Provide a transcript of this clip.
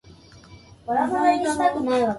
弟は起きるのが遅い